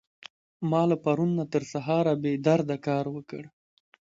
ما له پرون نه تر سهاره بې درده کار وکړ.